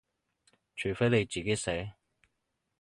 除非你自己寫